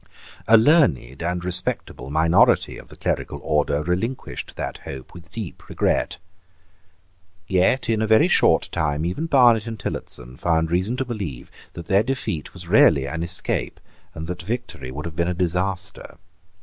A learned and respectable minority of the clerical order relinquished that hope with deep regret. Yet in a very short time even Barnet and Tillotson found reason to believe that their defeat was really an escape, and that victory would have been a disaster.